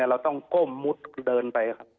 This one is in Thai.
เราต้องก้มมุดเดินไปครับ